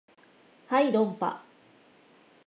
はい論破